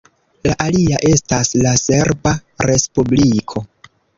La alia estas la Serba Respubliko.